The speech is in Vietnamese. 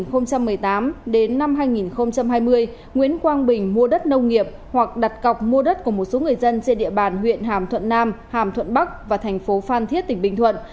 từ năm hai nghìn một mươi tám đến năm hai nghìn hai mươi nguyễn quang bình mua đất nông nghiệp hoặc đặt cọc mua đất của một số người dân trên địa bàn huyện hàm thuận nam hàm thuận bắc và thành phố phan thiết tỉnh bình thuận